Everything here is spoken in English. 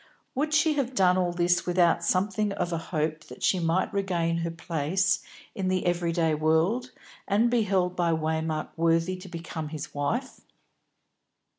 Would she have done all this without something of a hope that she might regain her place in the every day world, and be held by Waymark worthy to become his wife?